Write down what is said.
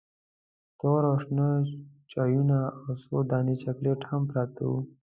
تور او شنه چایونه او څو دانې چاکلیټ هم پراته وو.